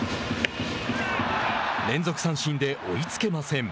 連続三振で追いつけません。